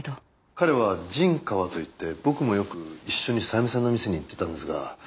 彼は陣川といって僕もよく一緒にさゆみさんの店に行ってたんですが。